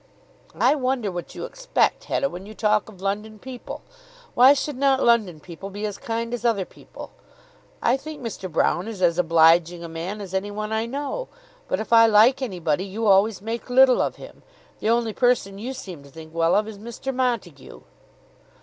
"I wonder what you expect, Hetta, when you talk of London people? Why should not London people be as kind as other people? I think Mr. Broune is as obliging a man as any one I know. But if I like anybody, you always make little of him. The only person you seem to think well of is Mr. Montague."